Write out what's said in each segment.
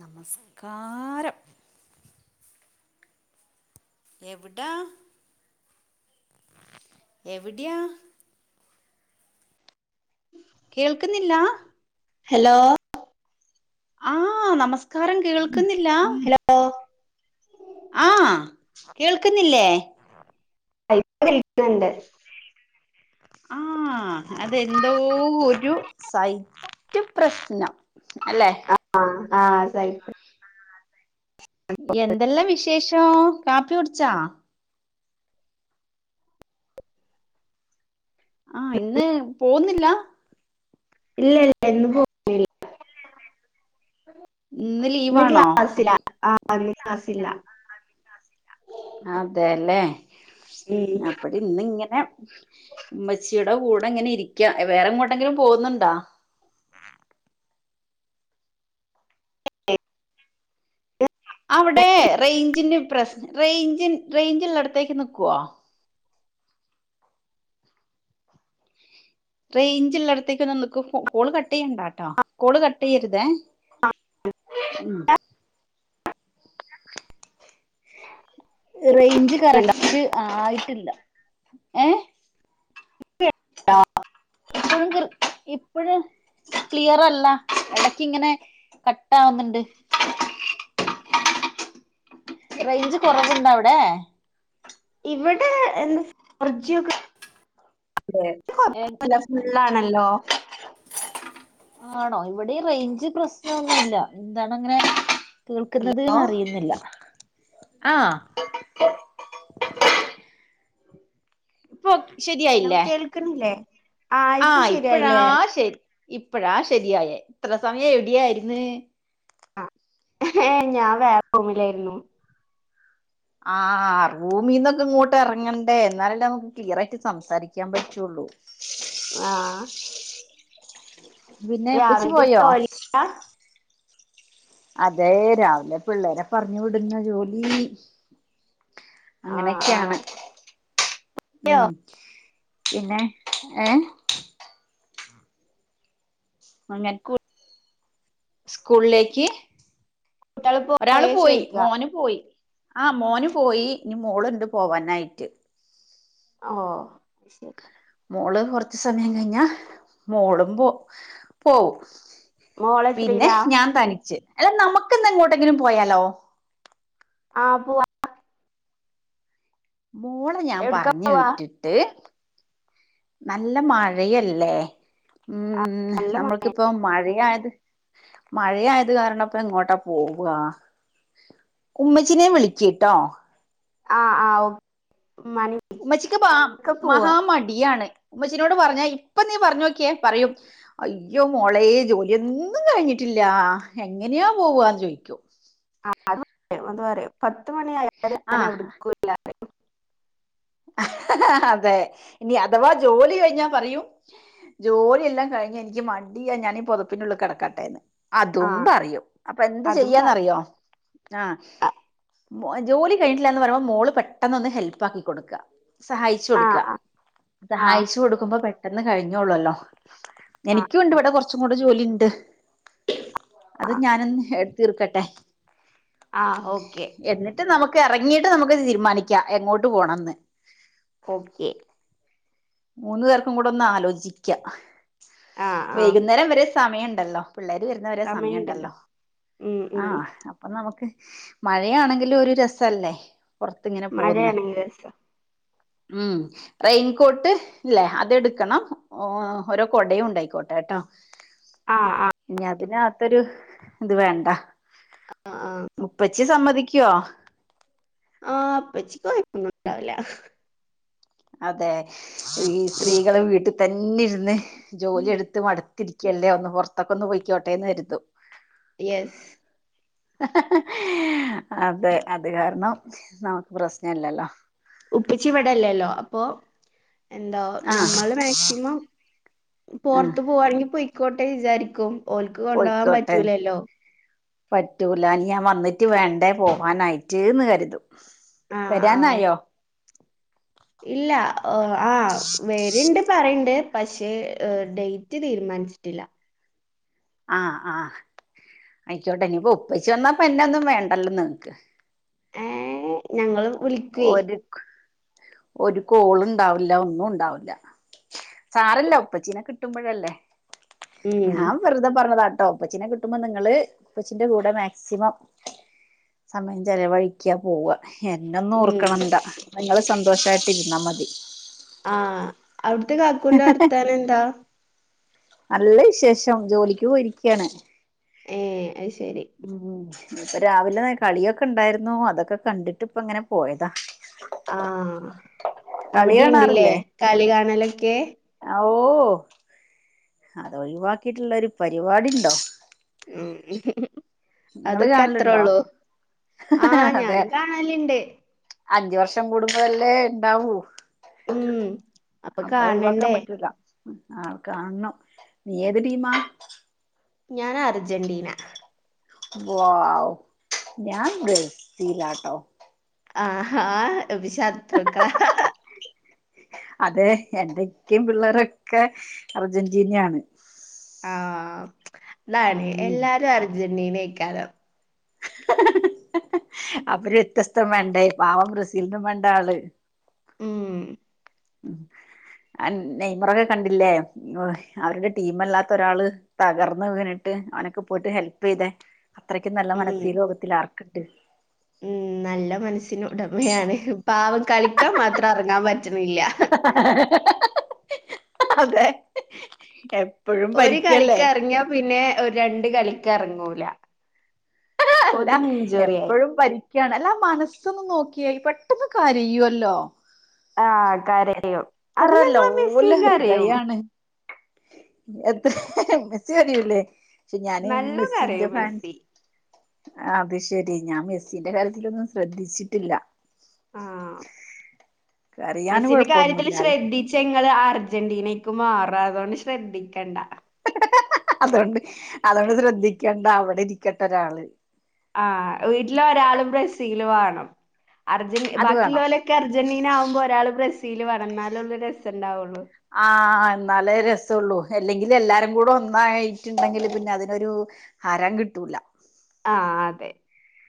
നമസ്കാരം എവിടാ എവിടയാ കേൾക്കുന്നില്ലാ ഹലോ ആ നമസ്കാരം കേൾക്കുന്നില്ല ഹലോ ആ കേൾക്കുന്നില്ലേ ഇപ്പ കേൾക്കുന്നുണ്ട് ആ അതെന്തോ ഒരു സൈറ്റ് പ്രശ്ന അല്ലേ ആ ആ സൈറ്റ് എന്തെല്ലാം വിശേഷം കാപ്പി കുടിച്ചാ ആ ഇന്ന് പോകുന്നില്ല ഇല്ല ഇല്ല ഇന്ന് പോന്നില്ല ഇന്ന് ക്ലാസില ആ ഇന്ന് ക്ലാസില്ല അതെല്ലേ ഉം അപ്പടി ഇന്ന് ഇങ്ങനെ ഉമ്മച്ചി ചീടെ കൂടെ ഇങ്ങനെ ഇരിക്ക വേറെങ്ങോട്ടെങ്കിലും പോകുന്നുണ്ടോ അവിടെ റേഞ്ചിന്റെ പ്രശ്ന റേഞ്ചി റേഞ്ച് ഉള്ളിടത്തേക്ക് നിക്കുവോ റേഞ്ചിള്ളടത്തേക്ക് ഒന്ന് നിക്ക് കോള് കട്ട് ചെയ്യണ്ടട്ടോ കോള് കട്ട് ചെയ്യരുതേ ഉം ഉ [inaudible] റേഞ്ച് കറക്റ്റ് ആയിട്ടില്ല ഏ ആ ഇപ്പോഴും ഇപ്പഴും കിർ ക്ലിയർല്ല ഇടക്കിങ്ങനെ കട്ടാവുന്നുണ്ട് റേഞ്ച് കൊറവുണ്ട അവിടെ ഇവിടെ അത് കൊയ്പല്യ ഫുള്ളാണല്ലോ ആണോ ഇവിടെഈ റേഞ്ച് പ്രശ്നോന്നുമല്ല എന്താണ് അങ്ങനെ ഹലോ കേൾക്കുന്നത്ന്ന് അറിയുന്നില്ല ആഹ ഇപ്പൊ ഓക്കെ ഹലോ ശരിയായില്ലേ കേൾക്കണില്ലേ ആ ഇപ്പൊ ആഹ ഇപ്പഴാ ശരിയായില്ലേ ശരി ഇപ്പഴാ ശരിയായേ ഇത്ര സമയം എവിടെയാരിന്ന് ഏ ഞാൻ വേറെ റൂമിലായിരുന്നു ആ റൂമീന്നൊക്കെ ഇങ്ങോട്ട് ഇറങ്ങണ്ടേ എന്നാലല്ലേ നമുക്ക് ക്ലിയർായിട്ട് സംസാരിക്കാൻ പറ്റുള്ളൂ ഉ ആഹ പിന്നെ എപ്പിച്ചി പോയോ ജോലിയാ അതെ രാവിലെ പിള്ളേരെ പറഞ്ഞു വിടുന്ന ജോലി ആ ആ അങ്ങനെയൊക്കെയാണ് യോ ഉം പിന്നെ ഏഹ് അങ്ങ സ്കൂളിലേക്ക് കുട്ടികള് ഒരാള് പോയോ പോയി ചോയിക്കാ മോന് പോയി ആഹ് മോന് പോയി ഇനി മോള് ഇണ്ട് പോവാനായിട്ട് ഓ മോള് കൊറച്ച് സമയം കഴിഞ്ഞാ മോളും പോ പോവും പിന്നെ മോളെത്രയിലാ ഞാൻ തനിച്ച് അല്ല നമുക്ക്ന്ന് എങ്ങോട്ടെങ്കിലും പോയാലോ ആഹ് പോവാം മോളെ ഞാൻ എവിടക്കാ പറഞ്ഞു പോവാ വിട്ടിട്ട് നല്ല മഴയല്ലേ ആ ഉം നല്ല മഴ നമ്മൾക്കിപ്പ മഴയായത് മഴ ആയത് കാരണംപ്പ എങ്ങോട്ടാ പോവുവാ ഉമ്മച്ചിനെ വിളിക്കിട്ടോ ആഹ് ആഹ് ഓ ഉമ്മച്ചിക്ക് പ മഹാമടിയാണ് ഉമ്മച്ചീനോട് പറഞ്ഞ ഇപ്പൊ നീ പറഞ്ഞോക്കിയെ പറയും അയ്യോ മോളെ ജോലിയൊന്നും കഴിഞ്ഞിട്ടില്ല ഇല്ല എങ്ങനെയാ പോവാന്ന് ചോയിക്കും ആ [unintelligible] അതെ ഇനി അഥവാ ജോലി കഴിഞ്ഞാ പറയും ജോലിയെല്ലാം കഴിഞ്ഞ് എനിക്ക് മടിയാ ഞാനീ പുതപ്പിനുള്ളി കിടക്കട്ടേന്ന് ആ അതും പറയും അപ്പൊ എന്ത് അതും പറയും ചെയ്യാന്നറിയോ ആഹ് ആ ജോലി കഴിഞ്ഞിട്ടില്ല എന്ന് പറയുമ്പോ മോള് പെട്ടെന്ന് ഒന്ന് ഹെൽപ്പ് ആക്കി കൊടുക്കുക സഹായിച്ചു ആ കൊടുക്കുക ആ ആ സഹായിച്ചു കൊടുക്കുമ്പോ പെട്ടെന്ന് കഴിഞ്ഞോള്ളൂല്ലോ ആ എനിക്കും ഉണ്ട് ഇവിടെ കുറച്ചും കൂടി ജോലി ഉണ്ട് അത് ആ ഞാനൊന്ന് എടുത്തീർക്കട്ടെ ആ ഓക്കെ എന്നിട്ട് നമുക്ക് ഇറങ്ങി ഇങ്ങീട്ട് നമുക്ക് തീരുമാനിക്കാം എങ്ങോട്ട് പോണംന്ന് ഓക്കെ മൂന്നു പേർക്കും കൂടെ ഒന്ന് ആലോചിക്കാം ആ ആ വൈകുന്നേരം വരെ സമയം ഉണ്ടല്ലോ പിള്ളേര് വരുന്നവരെ സമയമുണ്ടല്ലോ സമയുണ്ടല്ലോ ഉം ആ ഉം അപ്പൊ നമുക്ക് മഴയാണെങ്കിലും ഒരു രസല്ലേ പുറത്തിങ്ങനെ പോകുന്നെ മഴയാണെങ്കിൽ രസാ ഉം റെയിൻകോട്ട് ഇല്ലേ അതെടുക്കണം ഓരോ കൊടയും ഉണ്ടായിക്കോട്ടെ കേട്ടോ ആ ആ ഇനി അതിനകത്തൊരു ഇത് വേണ്ട ആ ആ ഉപ്പച്ചി സമ്മതിക്കുവോ ആഹ് ഉപ്പച്ചിക്ക് കൊയപ്പൊന്നുംണ്ടാവില്ല അതെ ഈ ഉം സ്ത്രീകള് വീട്ടിൽ തന്നെ ഇരുന്ന് ജോലിയെടുത്ത് മടു തിരിക്കല്ലേ ഒന്ന് പുറത്തൊക്കെ ഒന്ന് പോയിക്കോട്ടെന്ന് കരുതും യെസ് ഹ ഹ അതെ അത് കാരണം നമുക്ക് പ്രശ്നമില്ലല്ലോ ഉപ്പിച്ചി ഇവിടെ ഇല്ലല്ലോ അപ്പൊ എന്താ ആഹ് ഞമ്മള് മാക്സിമം ആഹ് പൊറത്ത് പോവാണെങ്കിൽ പോയിക്കോട്ടെ വിചാരിക്കും ഓൽക്ക് കൊണ്ടോവാൻ പറ്റൂലല്ലോ പറ്റൂല്ലാന്ന്‌ ഞാൻ വന്നിട്ട് വേണ്ടേ പോകാനായിട്ട്ന്ന് കരുതും ആഹ് ആഹ് വരാന്നായോ ഇല്ല ആ വരുണ്ട് പറയണ്ട് പക്ഷേ ഡേറ്റ് തീരുമാന നിച്ചിട്ടില്ല ആഹ് ആഹ് അയിക്കോട്ടെ ഇനിപ്പോ ഉപ്പച്ചി വന്നാപ്പോ എന്നൊന്നും വേണ്ടല്ലോ നിങ്ങക്ക് ഏ ഞങ്ങള് വിളിക്കും ഒരു ഒരു കോള് ണ്ടാവില്ല ഒന്നും ഉണ്ടാവില്ല. സാരല്ല ഉപ്പച്ചീനെ കിട്ടുമ്പോഴല്ലേ ഉം ഞാൻ വെറുതെ പറഞ്ഞതാ. കേട്ടോപ്പച്ചിനെ കിട്ടുമ്പോ നിങ്ങള് പ്പച്ചിന്റെ കൂടെ മാക്സിമം സമയം ചിലവഴിക്യാ പോവ എന്നെന്നും ഉം ഓർക്കണംണ്ട നിങ്ങള് സന്തോഷായിട്ടിരുന്നാ മതി അവിട്ത്തെ കാക്കുൻ്റെ വർത്താനം ന്താ? നല്ല വിശേഷം ജോലിക്ക് പോയിരിക്കയാണ് ഏ അത്ശെ ഉം ഇന്ന്പ്പം രാവിലെ കളിയൊക്കെ ണ്ടായിരുന്നു അതൊക്കെ കണ്ടിട്ട് ഇപ്പങ്ങനെ പോയതാ. ആഹ കളി അവിടെണ്ട്ലേ കാണാറില്ലേ കളി കാണലൊക്കെ ഓ അതൊഴിവാക്കിട്ടുള്ള ഒരു പരിപാടി ണ്ടോ മ്മ് ഹ് ഹ് ഹ് അതൊക്കെ കാണലുണ്ടോ അത്രേള്ളു ആ അതെ ഞാനും കാണലിണ്ട് അഞ്ചു വർഷം കൂടുമ്പോ അല്ലേ ഉണ്ടാവൂ ഉം അപ്പൊ ഒഴിവാക്കാൻ പറ്റൂല്ല ആ കാണണം നീ ഏത് ടീമാ? ഞാൻ അർജന്റീന വാവ്വ് ഞാൻ ബ്രസിലാട്ടോ ആഹ്ഹാ വിശത്രുക്കള ഹ ഹ അതെ എന്റെക്കിം പിള്ളേരൊക്കെ അർജന്റീനയാണ് ആഹ അതാണ് ഉം എല്ലാരും അർജന്റീനെയ്ക്കാരം ഹ് ഹ്ഹ്ഹ് അവര് വ്യത്യസ്തം വേണ്ടേ പാവം ബ്രസീലിനും വേണ്ടേ ആള് ഉം ഉം [unintelligible] ആ നെയ്മറൊക്കെ കണ്ടില്ലേ അവരുടെ ടീമല്ലാത്ത ഒരാള് തകർന്ന് വീണിട്ട് അവനൊക്കെ പോയിട്ട് ഹെൽപ് ചെയ്തെ അത്രയ്ക്കും നല്ല ഉം മനസ്സിലോകത്തിൽ ആർക്ക്ണ്ട് ഉം നല്ല മനസ്സിന് ഉടമയാണ് പാവം കളിക്കാൻ മാത്രം ഇറങ്ങാൻ പറ്റ അതെ എ ഒരു കളിക്കെറങ്ങ്യാ പിന്നെ ഒ രണ്ട് കളിക്കെർങ്ങൂല അല്ല എപ്പഴും ഭരിക്കണെല്ലൊ അല്ല ആ മനസ്സൊന്ന് നോക്കി പെട്ടെന്ന് ക്കരയല്ലോ ആ കരയും എത്ര അത് ഞങ്ങളെ ലോല മെസ്സിയും കരയും ഹൃദയാണ് എത് ഹ് ഹ് മെസ്സി അറിയുല്ലേ? പക്ഷെ ഞാന് നല്ലോം മെസ്സീന്റെ കരയും ഫാൻസ് മെസ്സി അത് ശെരി ഞാൻ മെസ്സിന്റെ കാര്യത്തിലൊന്നും ശ്രദ്ധിച്ചിട്ടില്ല ആഹ കരയാന് മെസിന്റെ കാര്യത്തിൽ കുഴപ്പമൊന്നുമില്ല അല്ലെ ശ്രദ്ധിച്ച നിങ്ങള് അർജന്റീന ക്ക് മാറ അതോണ്ട് ശ്രദ്ധിക്കണ്ട അതൊണ്ട് അതൊണ്ട് ശ്രദ്ധിക്കണ്ട അവിടെ ഇരിക്കട്ട ഒരാള് ആഹ വീട്ടിലൊരാളും ബസീൽ വേണം അർജന് അത് വേണം ബാക്കിള്ളോലൊക്കെ അർജന്റീന ആകുമ്പോൾ ഒരാള് ബ്രസീൽ വേണം ന്നാലോള്ളു രസണ്ടാവൊള്ളൂ ആഹ അ ന്നാലേ രസള്ളൂ അല്ലെങ്കിൽ എല്ലാരും കൂടെ ഒന്നായിട്ടുണ്ടെങ്കിൽ പിന്നെ അതിനൊരു ഹരം കിട്ടും ല ആഹ അതെ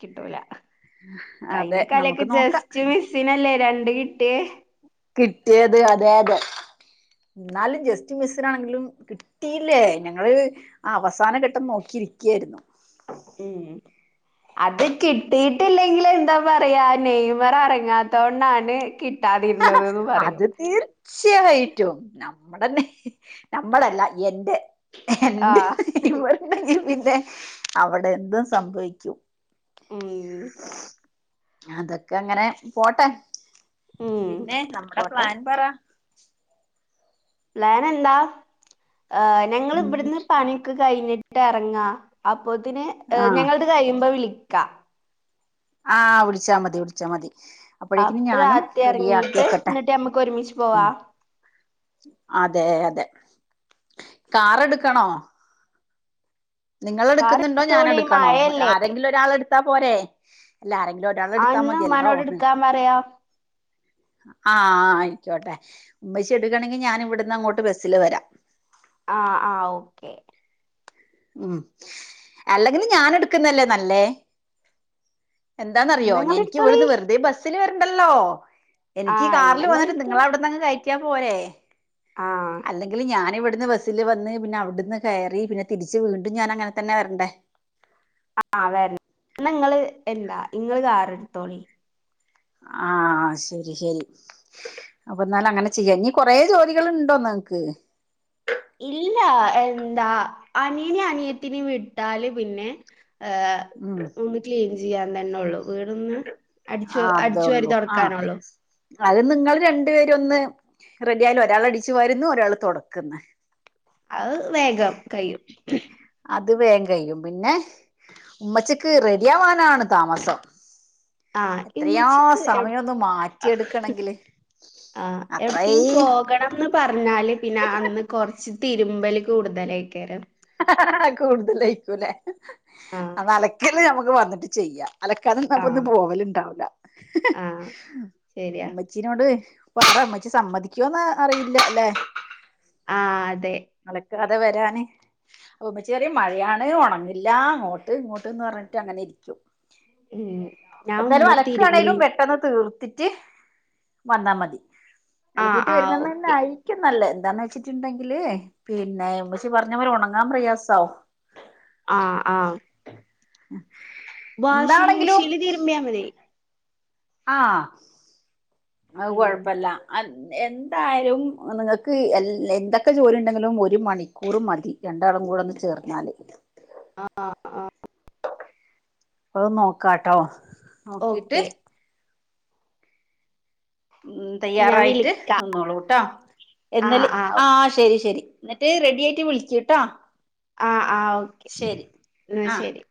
കിട്ടൂല അതെ നമുക്ക് കയിനേക്കാലൊക്കെ നോക്കാം ജസ്റ്റ് മിസ്സിനല്ലേ രണ്ട് കിട്ടിയേ കിട്ടിയത് അതെ അതെ എന്നാലും ജസ്റ്റ് മിസ്സിനാണെങ്കിലും കിട്ടിയില്ലേ ഞങ്ങള് അവസാനഘട്ടം നോക്കിയിരിക്കയായിരുന്നു ഉം അത് കിട്ടിയിട്ടില്ലെങ്കി എന്താ പറയാ നെയ്മർ ഇറങ്ങാത്തോണ്ടാണ് കിട്ടാതി അത് തീർച്ചയായിട്ടും നമ്മടെന്നെ നമ്മടല്ല എന്റെ ആഹ് [unintelligible] പിന്നെ അവിടെന്തും സംഭവിക്കും ഉം അതൊക്കെ അങ്ങനെ പോട്ടെ ഉം മ്മടെ പോട്ടെ. പ്ലാൻ പറ പ്ലാൻ എന്താ ഞങ്ങ ഉം ഇവിടുന്ന് പണിക്ക് കഴിഞ്ഞിട്ട് ഇറങ്ങാ അപ്പോത്തിന് ആഹ് ഞങ്ങളിത് കഴിയുമ്പോ വിളിക്കാ ആ വിളിച്ചാ മതി വിളിച്ചാ മതി അപ്പോഴേക്കിന് അപ്പ ഞാനും താത്തി റെഡി എറങ്ങീട്ട് ആക്കിക്കട്ടെ എന്നിട്ട് നമ്മക്ക് ഒരുമിച്ച് ഉം പോവാ. അതെ അതെ കാറെടുക്കണോ കാർ നിങ്ങളെടുക്കുന്നിണ്ടോ ഞാൻ എടുത്തോളി എടുക്കണോ മഴയല്ലേ ആരെങ്കിലും ഒരാൾ എടുത്താ പോരെ എല്ല ആരങ്കിലും ഒരാൾ ആഹ് എടുത്താ ഇന്നാ ഉമ്മാനോട് മതിയല്ലോന്ന് എടുക്കാൻ പറയാ. ആ ആയിക്കോട്ടെ ഉമ്മശ എടുക്കണെങ്കിൽ ഞാൻ ഇവിടുന്ന് അങ്ങോട്ട് ബസ്സില് വരാം ആ ആ ഓക്കെ ഉം അല്ലെങ്കില് ഞാൻ എടുക്കുന്നല്ലേ നല്ലേ എന്താന്നറിയോ ഇന്നാ ഞാ ഇങ്ങള് എനിക്ക് എടുത്തോളി ഇവിടെന്ന് വെറുതെ ബസ്സില് വരണ്ടല്ലോ എനിക്ക് ആഹ് കാറിൽ ഇന്നാ ഇങ്ങള് വന്നിട്ട് നിങ്ങള എടുത്തോളി. അവിടുന്നങ്ങ് കയ റ്റിയപ്പോരെ ആഹ് അല്ലെങ്കില് ഞൻ ഇവിടുന്ന് ബസ്സിൽ വന്ന് പിന്നെ അവിടുന്ന് കയറി പിന്നെ തിരിച്ച് വീണ്ടും ഞാനങ്ങനെ തന്നെ വരണ്ടേ [inaudible] നിങ്ങള് എന്താ ഇങ്ങള് കാറെടുത്തോളി ആ ശരി ശരി അപ്പൊ എന്നാലങ്ങനെ ചെയ്യാം ഇനി കൊറെ ജോലികൾ ഇണ്ടോന്ന് നമക്ക് ഇല്ല എന്താ അനിയനെ അനിയത്തിന് വിട്ടാല് പിന്നെ ഹ ഉം ഒന്ന് ക്ലീൻ ചെയ്യാൻ തന്നെ ഉള്ളു വീടൊന്ന് അടിച്ചു ആ അടിച്ചു വാരി അതേള്ളൂ ആ തുടക്കാനൊള്ളു അത് നിങ്ങള് രണ്ടു പേര ഒന്ന് റെഡി ആയാല് ഒരാൾ അടിച്ചു വാരുന്ന് ഒരാൾ തൊടക്കുന്നു അത് വേഗം കയും അത് വേഗം കയും പിന്നെ ഉമ്മച്ചക്ക് റെഡി ആവാനാണ് താമസം ആഹ് എത്രയാ ഇമ്മച്ചിക്ക് സമയൊന്ന് മാറ്റി എടുക്കണെങ്കില് ആ എവിടേക്കെങ്കി പോകണംന്ന് പറഞ്ഞാല് പിന്നെ അന്ന് കൊറച്ച് തിരുമ്പൽ കൂടുതലായി [unintelligible] ആ കൂടുതലായിക്കൂലേ ആഹ് അന്ന അലക്കല് നമക്ക് വന്നിട്ട് ചെയ്യാം അലക്കാന്നിന്ന അപ്പൊ ഇന്ന് ആഹ് പോവലിണ്ടാവില്ല ആഹ് ശരിയാ മ്മച്ചീനോട് അപ്പൊ ആടെ അമ്മച്ചി സമ്മതിക്കോന്ന് അറിയില്ല അല്ലെ ആ അതെ കഥ വരാന് അപ്പ ഉമ്മച്ചി പറയിം മഴയാണ് ഉണങ്ങില്ല അങ്ങോട്ട് ഇങ്ങോട്ട്ന്ന് പറഞ്ഞിട്ട് അങ്ങനെ ഇരിക്കും ഉം ഞാൻ എന്തായാലും ഉമ്മ അലക്കാണേലും തിരുമ്പ്ണീ പെട്ടെന്ന് തീർ ത്തിട്ട് വന്നാ മതി ആഹ് അലക്കിട്ട് ആഹ് വരുന്നതന്നെ ഓക്കെ ആയിരിക്കും നല്ല എന്താന്ന് വെച്ചിട്ടുണ്ടെങ്കില് പിന്നെ ഉമ്മച്ചി പറഞ്ഞ പോലെ ഉണങ്ങാൻ പ്രയാസാവും ആഹ് ആഹ് [inaudible] വാഷിങ് എന്താണെങ്കിലും മിഷീനില് തിരുമ്പിയാ മതി ആഹ് അത് ഉം കൊഴപ്പല്ല എന്തായാലും നിങ്ങൾക്ക് എന്തൊക്കെ ജോലി ഉണ്ടെങ്കിലും ഒരു മണിക്കൂറ് മതി രണ്ടാൾ കൂടെ ഒന്ന് ചേർന്നാല് ആഹ് അത് നോക്കാട്ടോ നോക്കീട്ട് ഓക്കെ ഉം ഞാൻ തയ്യാറായിട്ട് വിളിക്കാ നിന്നോളൂ ട്ടോ എന്നല് ആഹ് ആഹ് ആ ശരി ശരി എന്നിട്ട് റെഡി ആയിട്ട് വിളിക്കൂട്ടാ ആഹ് ആ ഓക്കെ ന്നാ ആഹ് ശരി